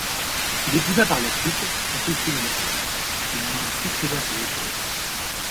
Il épousa par la suite sa fille Philomèle, et lui succéda sur le trône.